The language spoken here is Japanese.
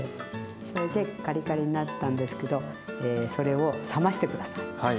それでカリカリになったんですけどそれを冷まして下さい。